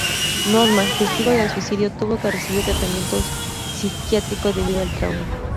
Norma, testigo del suicidio, tuvo que recibir tratamiento psiquiátrico debido al trauma.